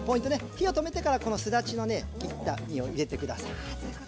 火を止めてからこのすだちのね切った実を入れてください。